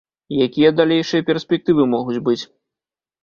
Якія далейшыя перспектывы могуць быць?